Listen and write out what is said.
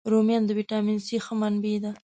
رومیان د ویټامین C ښه منبع دي